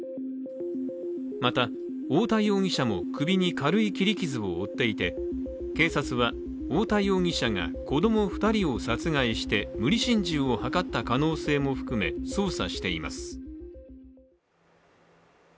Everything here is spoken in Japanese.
また太田容疑者も首に軽い切り傷を負っていて警察は太田容疑者が子供２人を殺害して無理心中を図った可能性も含め捜査しています。